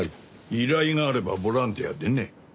依頼があればボランティアでね。